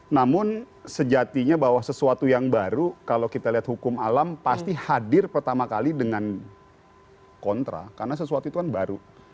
namun sejatinya bahwa sesuatu yang baru kalau kita lihat hukum alam pasti hadir pertama kali dengan kontra karena sesuatu itu kan baru